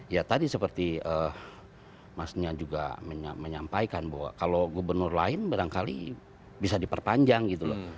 ya tadi seperti mas nia juga menyampaikan bahwa kalau gubernur lain barangkali bisa diperpanjang gitu loh